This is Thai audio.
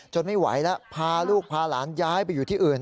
ไม่ไหวแล้วพาลูกพาหลานย้ายไปอยู่ที่อื่น